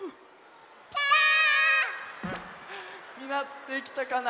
みんなできたかな？